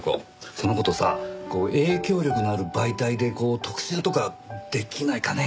その事さ影響力のある媒体で特集とかできないかね？